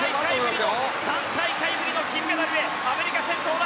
３大会ぶりの金メダルへアメリカ先頭だ